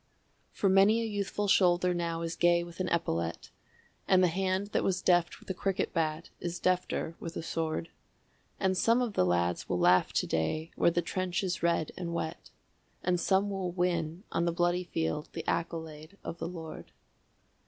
For many a youthful shoulder now is gay with an epaulet, And the hand that was deft with a cricket bat is defter with a sword, And some of the lads will laugh to day where the trench is red and wet, And some will win on the bloody field the accolade of the Lord.